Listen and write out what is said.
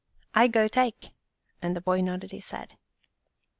' I go take," and the boy nodded his head.